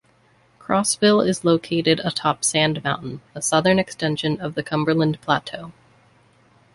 Crossville is located atop Sand Mountain, a southern extension of the Cumberland Plateau.